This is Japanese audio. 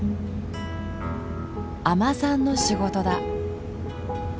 海士さんの仕事だ。